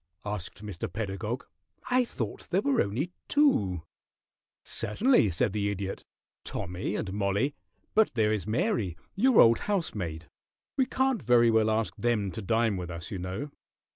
asked Mr. Pedagog. "I thought there were only two " "Certainly," said the Idiot. "Tommy and Mollie, but there is Mary, your old housemaid. We can't very well ask them to dine with us, you know."